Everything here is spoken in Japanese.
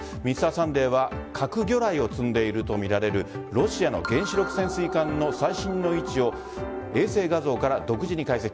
「Ｍｒ．サンデー」は核魚雷を積んでいるとみられるロシアの原子力潜水艦の最新の位置を衛星画像から独自に解析。